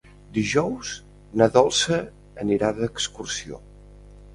Dijous na Dolça anirà d'excursió.